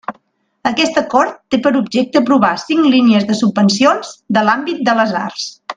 Aquest Acord té per objecte aprovar cinc línies de subvencions de l'àmbit de les arts.